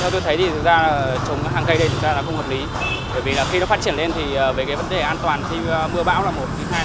tôi thấy thực ra trồng hàng cây này không hợp lý bởi vì khi nó phát triển lên thì về vấn đề an toàn khi mưa bão là một